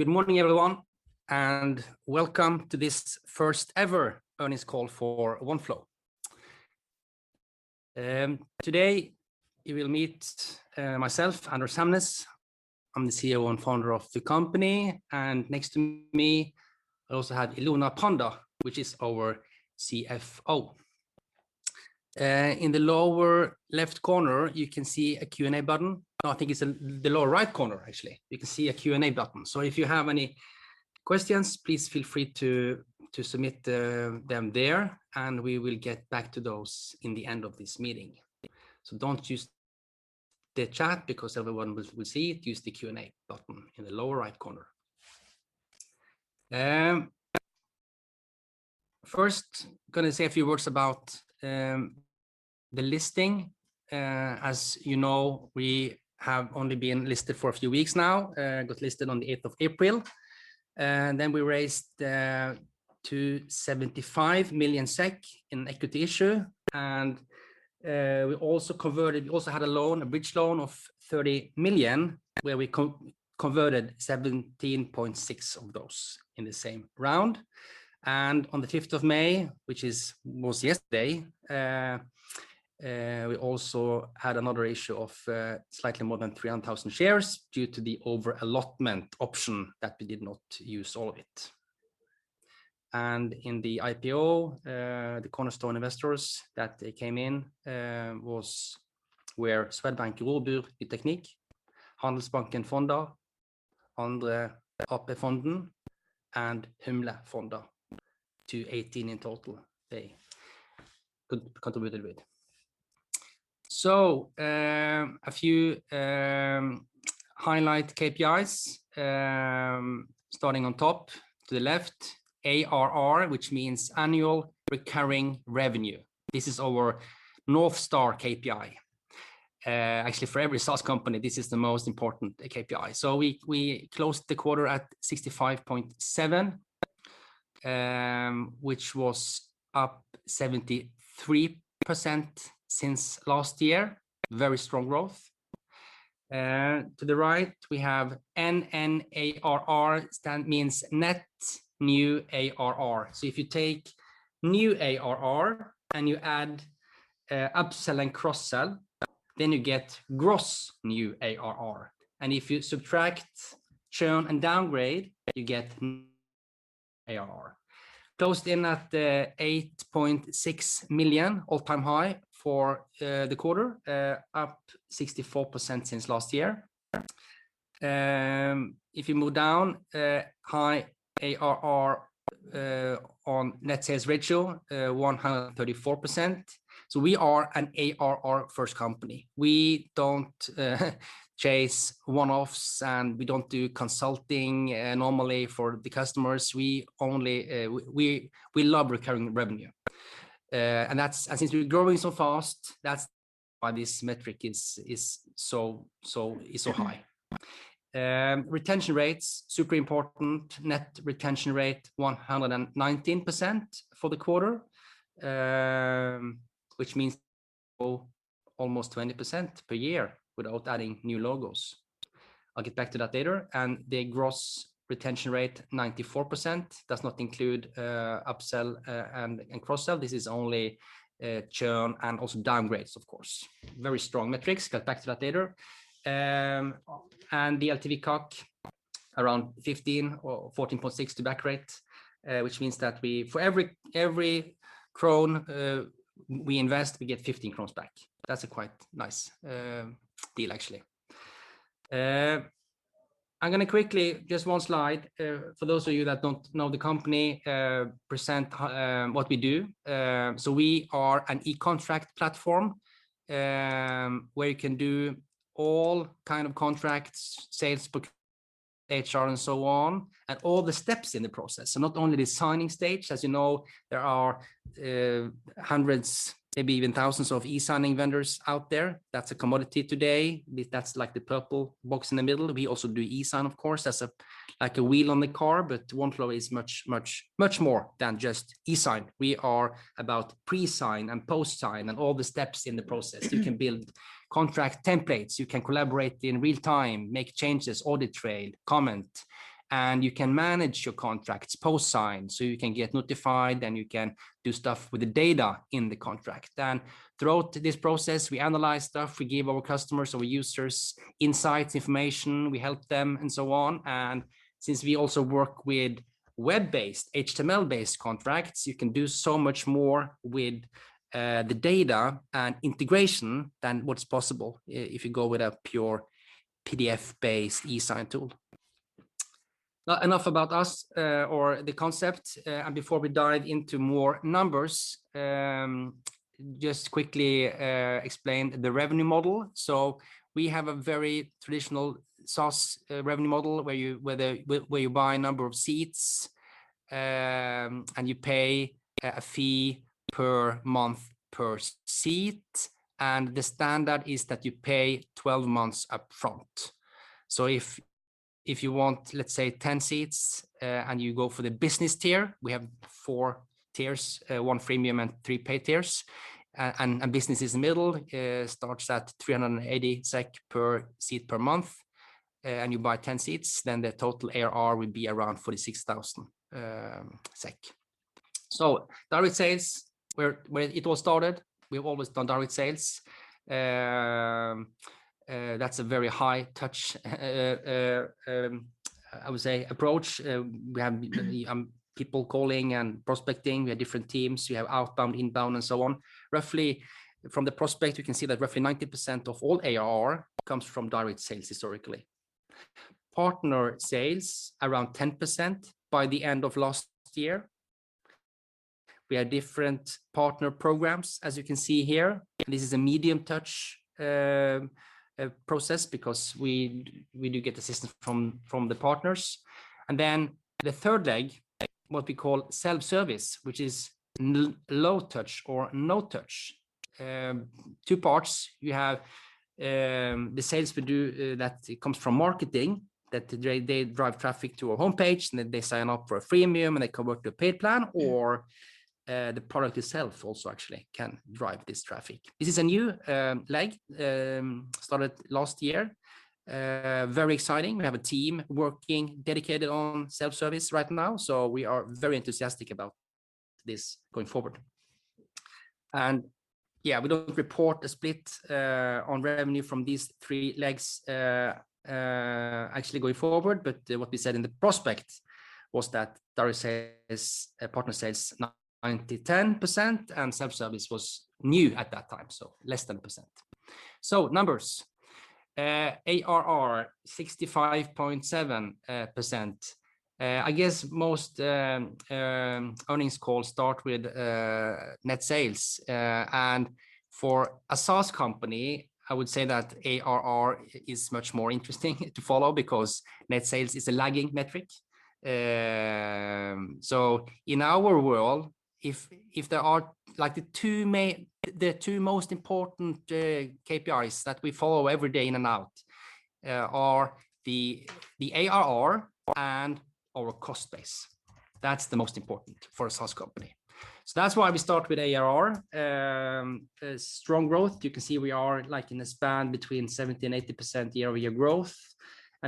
Good morning, everyone, and welcome to this first-ever earnings call for Oneflow. Today, you will meet myself, Anders Hamnes. I'm the CEO and Founder of the company. Next to me, I also have Ilona Prander, which is our CFO. In the lower left corner, you can see a Q&A button. No, I think it's in the lower right corner, actually. You can see a Q&A button. If you have any questions, please feel free to submit them there, and we will get back to those in the end of this meeting. Don't use the chat because everyone will see it. Use the Q&A button in the lower right corner. First gonna say a few words about the listing. As you know, we have only been listed for a few weeks now, got listed on the 8th of April. Then we raised 275 million SEK in equity issue, and we also had a loan, a bridge loan of 30 million, where we converted 17.6 of those in the same round. On the 5th of May, which was yesterday, we also had another issue of slightly more than 300,000 shares due to the over-allotment option that we did not use all of it. In the IPO, the cornerstone investors that came in were Swedbank Robur Ny Teknik, Handelsbanken Fonder, Andra AP-fonden, and Humle Fonder, 218 million in total they contributed with. A few highlight KPIs, starting on top to the left, ARR, which means annual recurring revenue. This is our North Star KPI. Actually, for every SaaS company, this is the most important KPI. We closed the quarter at 65.7 million, which was up 73% since last year. Very strong growth. To the right, we have NNARR. It means Net New ARR. If you take New ARR and you add upsell and cross-sell, then you get gross New ARR. And if you subtract churn and downgrade, you get ARR. Closed in at 8.6 million, all-time high for the quarter, up 64% since last year. If you move down, high ARR on net sales ratio, 134%. We are an ARR-first company. We don't chase one-offs, and we don't do consulting normally for the customers. We only love recurring revenue. Since we're growing so fast, that's why this metric is so high. Retention rates, super important. Net retention rate 119% for the quarter, which means almost 20% per year without adding new logos. I'll get back to that later. The gross retention rate, 94%. Does not include upsell and cross-sell. This is only churn and also downgrades, of course. Very strong metrics. Get back to that later. The LTV:CAC, around 15 or 14.6 payback rate, which means that for every krona we invest, we get 15 crowns back. That's a quite nice deal, actually. I'm gonna quickly, just one slide, for those of you that don't know the company, present what we do. We are an eContract platform, where you can do all kind of contracts, sales, purchase, HR, and so on, and all the steps in the process. Not only the signing stage. As you know, there are hundreds, maybe even thousands of eSigning vendors out there. That's a commodity today. That's, like, the purple box in the middle. We also do eSign, of course, as a, like a wheel on the car, but Oneflow is much, much, much more than just eSign. We are about pre-sign and post-sign and all the steps in the process. You can build contract templates, you can collaborate in real time, make changes, audit trail, comment, and you can manage your contracts post-sign, so you can get notified, and you can do stuff with the data in the contract. Throughout this process, we analyze stuff, we give our customers, our users, insights, information, we help them, and so on. Since we also work with web-based, HTML-based contracts, you can do so much more with the data and integration than what's possible if you go with a pure PDF-based eSign tool. Now enough about us, or the concept, and before we dive into more numbers, just quickly explain the revenue model. We have a very traditional SaaS revenue model, where you buy a number of seats, and you pay a fee per month per seat, and the standard is that you pay 12 months up front. If you want, let's say, 10 seats, and you go for the business tier, we have four tiers, one freemium and three paid tiers, and business is middle, starts at 380 SEK per seat per month, and you buy 10 seats, then the total ARR will be around 46,000 SEK. Direct sales, where it was started, we've always done direct sales. That's a very high touch, I would say approach. We have the people calling and prospecting. We have different teams. We have outbound, inbound, and so on. Roughly from the prospect, we can see that roughly 90% of all ARR comes from direct sales historically. Partner sales around 10% by the end of last year. We have different partner programs, as you can see here. This is a medium touch process because we do get assistance from the partners. Then the third leg, what we call self-service, which is low touch or no touch. Two parts. You have the sales we do that comes from marketing, that they drive traffic to our homepage, and then they sign up for a freemium, and they convert to a paid plan. Or the product itself also actually can drive this traffic. This is a new leg started last year. Very exciting. We have a team working dedicated on self-service right now, so we are very enthusiastic about this going forward. We don't report a split on revenue from these three legs, actually going forward. What we said in the prospectus was that direct sales, partner sales 9%-10%, and self-service was new at that time, so less than 1%. Numbers. ARR 65.7%. I guess most earnings calls start with net sales. For a SaaS company, I would say that ARR is much more interesting to follow because net sales is a lagging metric. In our world, there are like the two most important KPIs that we follow every day in and out are the ARR and our cost base. That's the most important for a SaaS company. That's why we start with ARR. Strong growth. You can see we are like in a span between 70% and 80% year-over-year growth.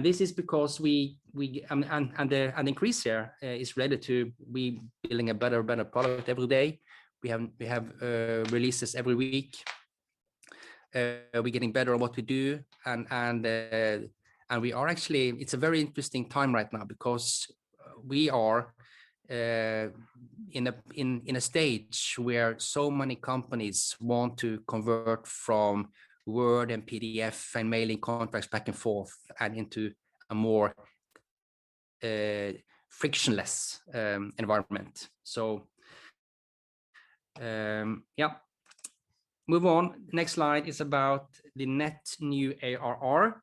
This is because the increase here is related to we building a better and better product every day. We have releases every week. We're getting better at what we do. We are actually. It's a very interesting time right now because we are in a stage where so many companies want to convert from Word and PDF and mailing contracts back and forth and into a more frictionless environment. Yeah. Move on. Next slide is about the net new ARR.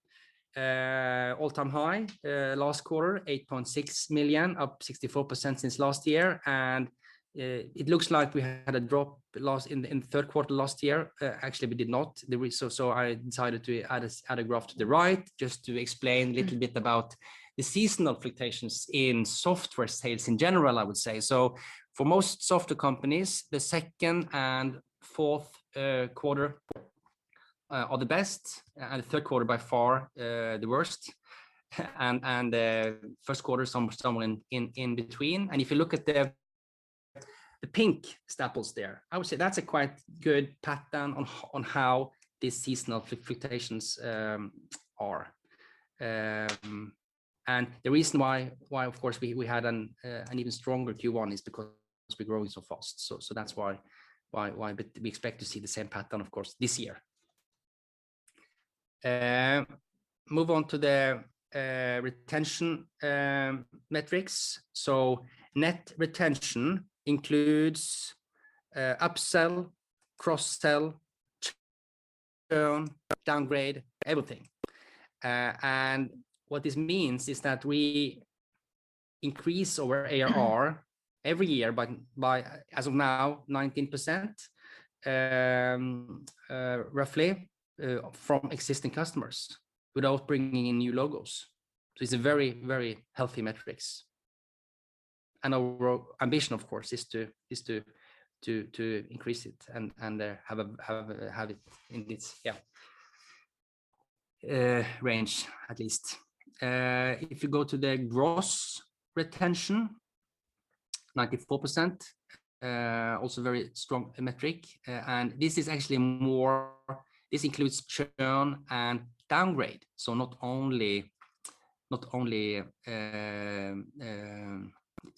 All-time high last quarter, 8.6 million, up 64% since last year. It looks like we had a drop last in the third quarter last year. Actually, we did not. I decided to add a graph to the right just to explain a little bit about the seasonal fluctuations in software sales in general, I would say. For most software companies, the second and fourth quarter are the best, and the third quarter by far the worst. First quarter somewhere in between. If you look at the pink staples there, I would say that's a quite good pattern on how the seasonal fluctuations are. The reason why of course we had an even stronger Q1 is because we're growing so fast. That's why we expect to see the same pattern of course this year. Move on to the retention metrics. Net retention includes upsell, cross-sell, churn, downgrade, everything. What this means is that we increase our ARR every year by as of now 19%, roughly, from existing customers without bringing in new logos. It's a very healthy metrics. Our ambition of course is to increase it and have it in this range at least. If you go to the gross retention, 94%, also very strong metric. This includes churn and downgrade.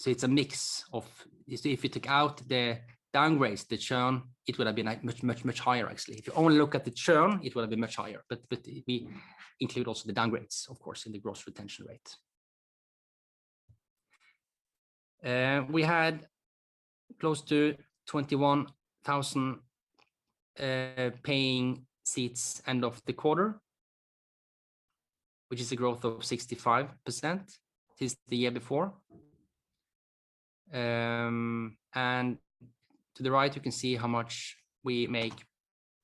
It's a mix of if you take out the downgrades, the churn, it would have been like much higher actually. If you only look at the churn, it would have been much higher. We include also the downgrades of course in the gross retention rate. We had close to 21,000 paying seats end of the quarter, which is a growth of 65% since the year before. To the right, you can see how much we make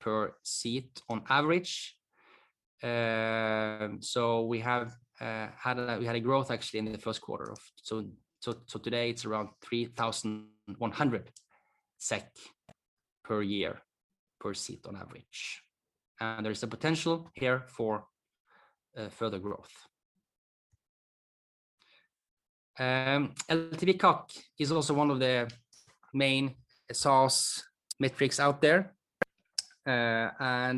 per seat on average. Today it's around 3,100 SEK per year per seat on average. There's a potential here for further growth. LTV:CAC is also one of the main SaaS metrics out there. The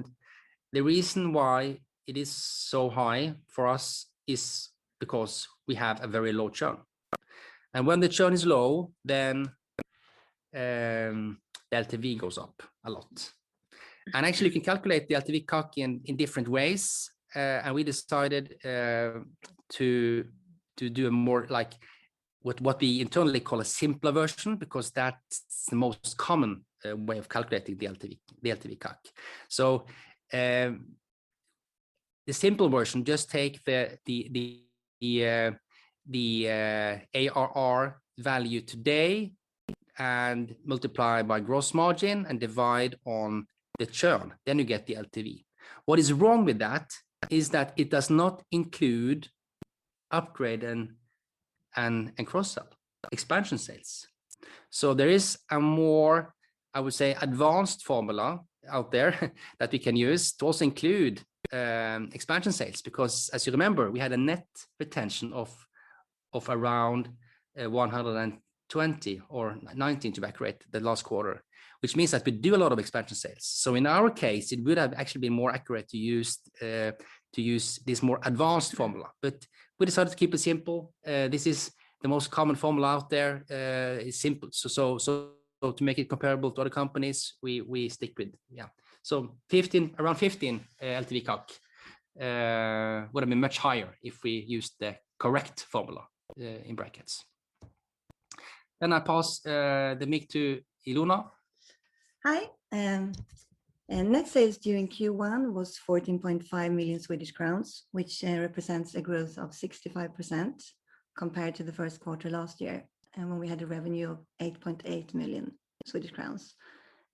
reason why it is so high for us is because we have a very low churn. When the churn is low, then the LTV goes up a lot. Actually, you can calculate the LTV:CAC in different ways. We decided to do a more like what we internally call a simpler version because that's the most common way of calculating the LTV, the LTV:CAC. The simple version, just take the ARR value today and multiply by gross margin and divide by the churn, then you get the LTV. What is wrong with that is that it does not include upgrade and cross-sell, expansion sales. There is a more, I would say, advanced formula out there that we can use to also include expansion sales. Because as you remember, we had a net retention of around 120% or 90%, to be accurate, the last quarter, which means that we do a lot of expansion sales. In our case, it would have actually been more accurate to use this more advanced formula. But we decided to keep it simple. This is the most common formula out there. It's simple. To make it comparable to other companies we stick with. Yeah. 15, around 15 LTV:CAC would have been much higher if we used the correct formula in brackets. Then I pass the mic to Ilona. Hi. Net sales during Q1 was 14.5 million Swedish crowns, which represents a growth of 65% compared to the first quarter last year, when we had a revenue of 8.8 million Swedish crowns.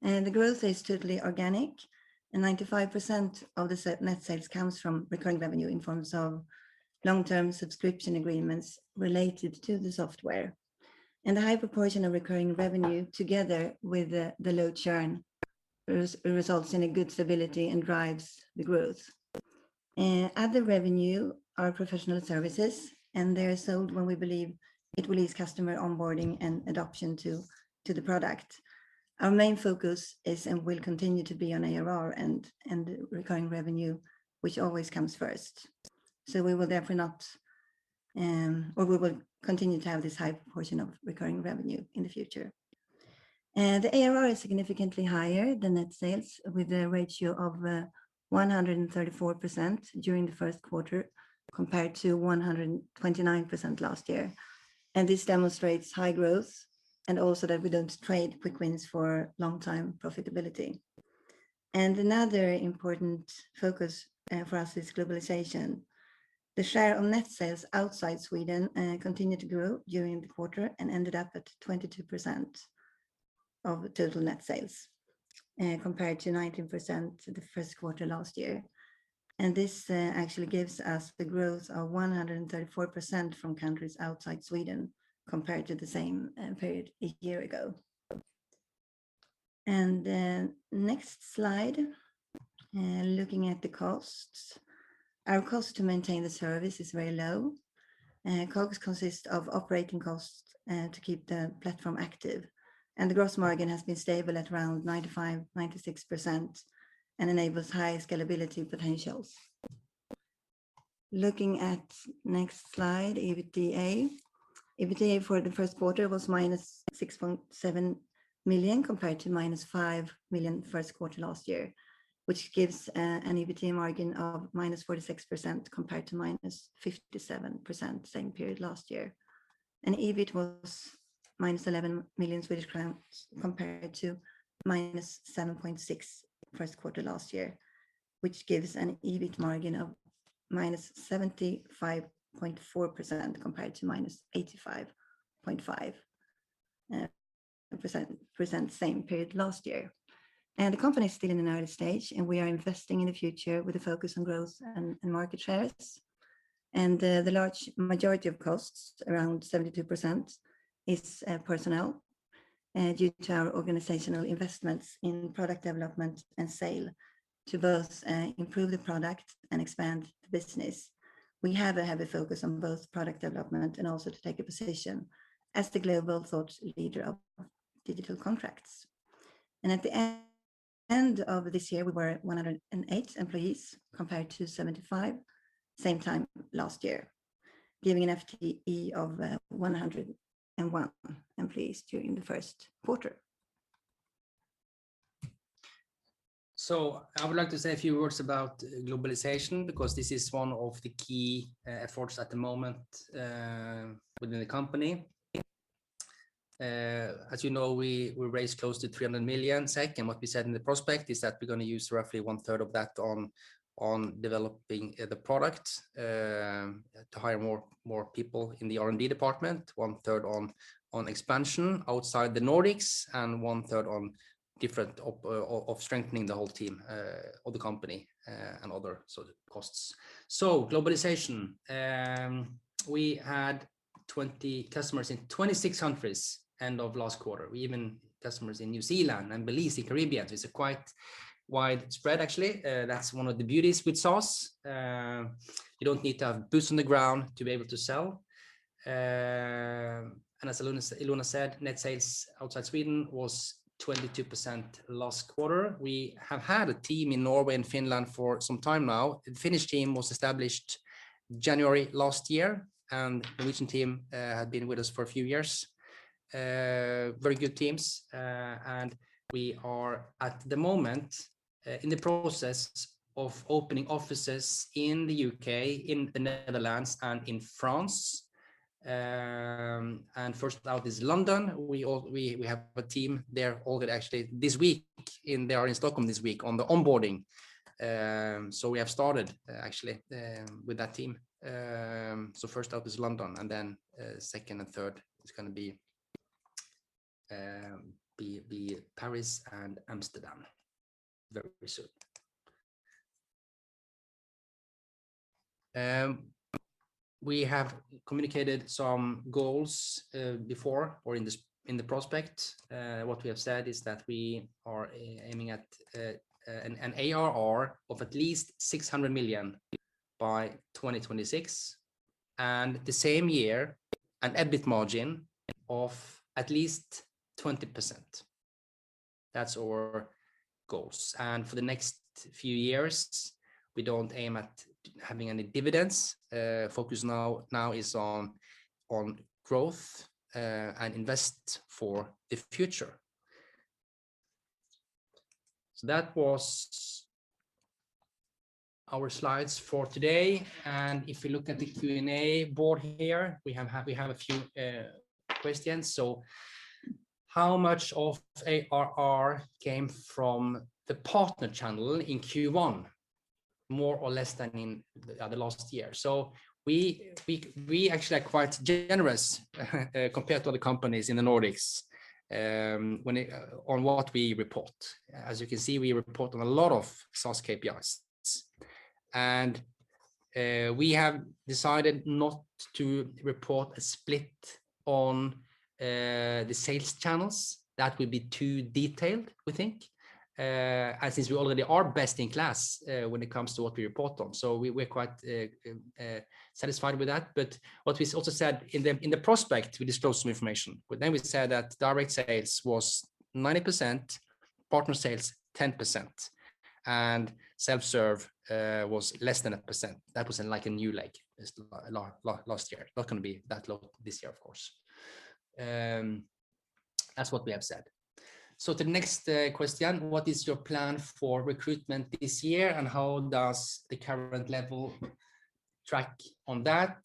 The growth is totally organic, and 95% of the net sales comes from recurring revenue in forms of long-term subscription agreements related to the software. The high proportion of recurring revenue, together with the low churn results in a good stability and drives the growth. Other revenue are professional services, and they are sold when we believe it will ease customer onboarding and adoption to the product. Our main focus is, and will continue to be, on ARR and recurring revenue, which always comes first. We will continue to have this high proportion of recurring revenue in the future. The ARR is significantly higher than net sales, with a ratio of 134% during the first quarter, compared to 129% last year. This demonstrates high growth and also that we don't trade quick wins for long-term profitability. Another important focus for us is globalization. The share of net sales outside Sweden continued to grow during the quarter and ended up at 22% of the total net sales, compared to 19% the first quarter last year. This actually gives us the growth of 134% from countries outside Sweden compared to the same period a year ago. Next slide, looking at the costs. Our cost to maintain the service is very low. COGS consists of operating costs to keep the platform active. The gross margin has been stable at around 95%-96% and enables high scalability potentials. Looking at next slide, EBITDA. EBITDA for the first quarter was -6.7 million, compared to -5 million first quarter last year, which gives an EBITDA margin of -46%, compared to -57% same period last year. EBIT was -SEK 11 million, compared to -7.6 million first quarter last year, which gives an EBIT margin of -75.4%, compared to -85.5% same period last year. The company is still in an early stage, and we are investing in the future with a focus on growth and market shares. The large majority of costs, around 72%, is personnel due to our organizational investments in product development and sale to both improve the product and expand the business. We have a heavy focus on both product development and also to take a position as the global thought leader of digital contracts. At the end of this year, we were 108 employees, compared to 75 same time last year, giving an FTE of 101 employees during the first quarter. I would like to say a few words about globalization, because this is one of the key efforts at the moment within the company. As you know, we raised close to 300 million, and what we said in the prospectus is that we're gonna use roughly one third of that on developing the product to hire more people in the R&D department, one third on expansion outside the Nordics, and one third on different sorts of strengthening the whole team of the company and other sorts of costs. Globalization. We had 20 customers in 26 countries end of last quarter. We even have customers in New Zealand and Belize in the Caribbean. It's a quite widespread actually. That's one of the beauties with SaaS. You don't need to have boots on the ground to be able to sell. As Ilona said, net sales outside Sweden was 22% last quarter. We have had a team in Norway and Finland for some time now. The Finnish team was established January last year, and the Norwegian team had been with us for a few years. Very good teams. We are at the moment in the process of opening offices in the U.K., in the Netherlands, and in France. First out is London. We have a team there already actually this week. They are in Stockholm this week on the onboarding. We have started actually with that team. First out is London, and then second and third is gonna be Paris and Amsterdam very soon. We have communicated some goals before or in the prospectus. What we have said is that we are aiming at an ARR of at least 600 million by 2026, and the same year, an EBIT margin of at least 20%. That's our goals. For the next few years, we don't aim at having any dividends. Focus now is on growth and invest for the future. That was our slides for today. If you look at the Q&A board here, we have a few questions. How much of ARR came from the partner channel in Q1, more or less than in the last year? We actually are quite generous, compared to other companies in the Nordics, on what we report. As you can see, we report on a lot of SaaS KPIs. We have decided not to report a split on the sales channels. That will be too detailed, we think. Since we already are best in class, when it comes to what we report on. We're quite satisfied with that. What we also said in the prospectus, we disclosed some information. Then we said that direct sales was 90%, partner sales 10%, and self-serve was less than 1%. That was like a new low this last year. Not gonna be that low this year, of course. That's what we have said. The next question, what is your plan for recruitment this year, and how does the current level track on that?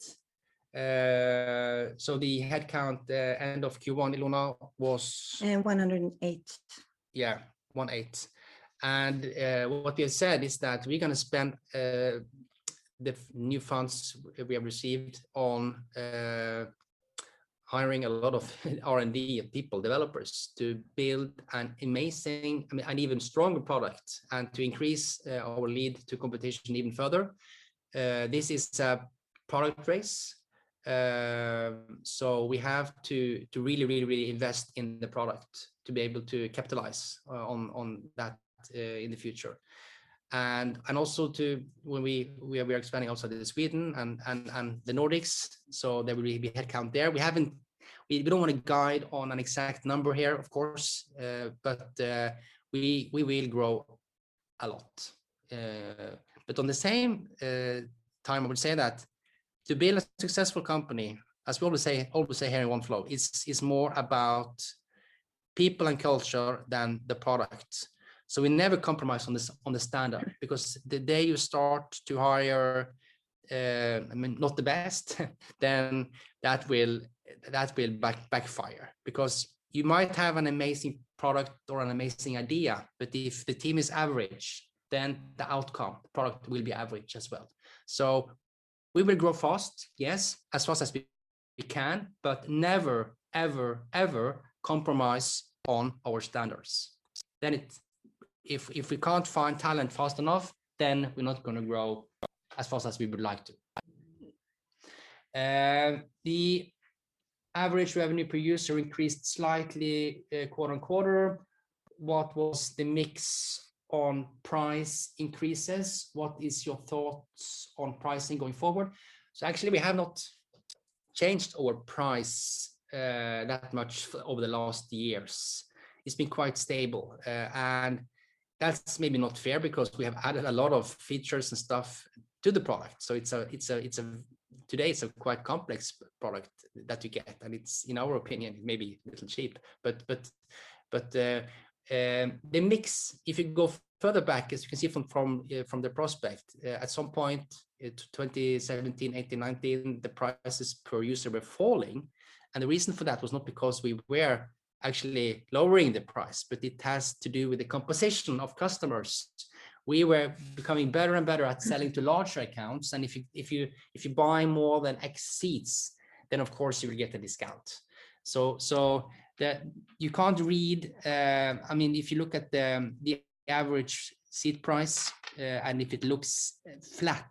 The headcount end of Q1, Ilona, was- 108. Yeah. 108. What we have said is that we're gonna spend the new funds we have received on hiring a lot of R&D people, developers, to build an amazing, I mean, an even stronger product and to increase our lead to competition even further. This is a product race, so we have to really invest in the product to be able to capitalize on that in the future. We are expanding also to Sweden and the Nordics, so there will be headcount there. We don't wanna guide on an exact number here, of course, but we will grow a lot. At the same time, I would say that to build a successful company, as we always say here in Oneflow, it's more about people and culture than the product. We never compromise on the standard because the day you start to hire, I mean, not the best, then that will backfire. Because you might have an amazing product or an amazing idea, but if the team is average, then the outcome product will be average as well. We will grow fast, yes, as fast as we can, but never, ever compromise on our standards. If we can't find talent fast enough, then we're not gonna grow as fast as we would like to. The average revenue per user increased slightly quarter-over-quarter. What was the mix on price increases? What is your thoughts on pricing going forward? Actually, we have not changed our price that much over the last years. It's been quite stable. That's maybe not fair because we have added a lot of features and stuff to the product. Today, it's a quite complex product that you get, and it's, in our opinion, maybe a little cheap. The mix, if you go further back, as you can see from the prospectus, at some point in 2017, 2018, 2019, the prices per user were falling. The reason for that was not because we were actually lowering the price, but it has to do with the composition of customers. We were becoming better and better at selling to larger accounts, and if you buy more than X seats, then of course you will get a discount. I mean, if you look at the average seat price, and if it looks flat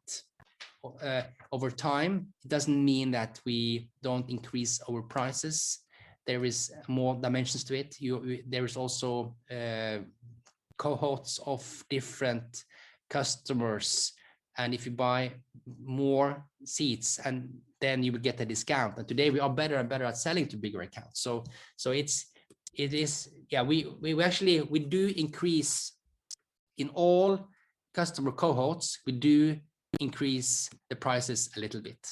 over time, it doesn't mean that we don't increase our prices. There is more dimensions to it. There is also cohorts of different customers, and if you buy more seats, then you will get a discount. Today we are better and better at selling to bigger accounts. Yeah, we actually do increase in all customer cohorts, we do increase the prices a little bit.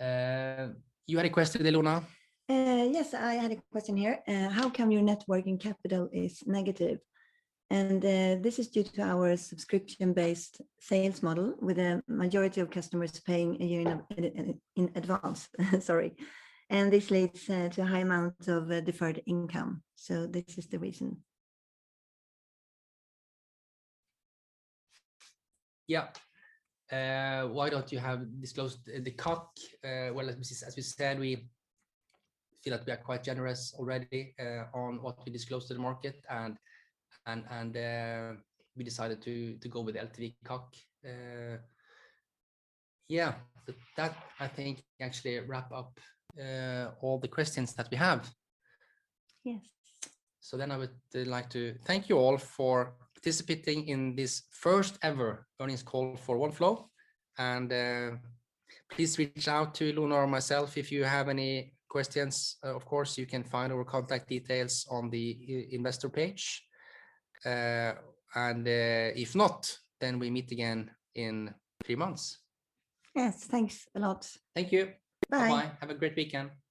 You had a question, Ilona? Yes, I had a question here. How come your net working capital is negative? This is due to our subscription-based sales model with a majority of customers paying a year in advance. This leads to high amount of deferred income. This is the reason. Yeah. Why don't you have disclosed the CAC? Well, as we said, we feel like we are quite generous already on what we disclose to the market and we decided to go with LTV:CAC. Yeah. That I think actually wrap up all the questions that we have. Yes. I would like to thank you all for participating in this first ever earnings call for Oneflow, and please reach out to Ilona or myself if you have any questions. Of course you can find our contact details on the investor page. If not, we meet again in three months. Yes. Thanks a lot. Thank you. Bye. Bye-bye. Have a great weekend.